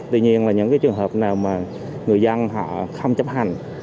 tuy nhiên là những cái trường hợp nào mà người dân họ không chấp hành